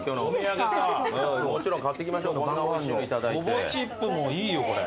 ごぼうチップもいいよこれ。